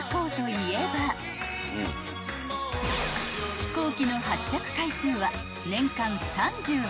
［飛行機の発着回数は年間３８万回］